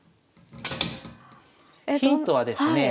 ヒントはですねえ